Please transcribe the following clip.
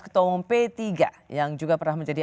ketua umum p tiga yang juga pernah menjadi